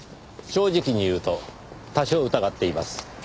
正直に言うと多少疑っています。